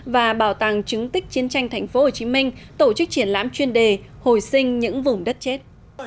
và bảo tàng chứng tích chiến tranh thành phố hồ chí minh tổ chức triển lãm chuyên đề hồi sinh những vùng đất chết